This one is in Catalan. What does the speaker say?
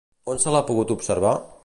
On se l'ha pogut observar?